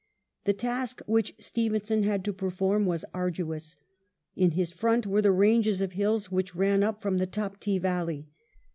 The task which Stevenson had to perform was arduous. In his front were the ranges of hills which ran up from the Taptee valley.